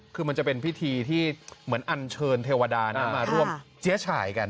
คือมันจะเป็นพิธีที่เหมือนอันเชิญเทวดามาร่วมเจ๊ฉายกัน